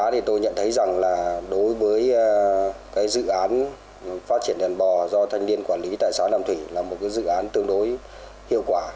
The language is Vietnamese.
đối với dự án phát triển đàn bò do thanh niên quản lý tại xã đàm thủy là một dự án tương đối hiệu quả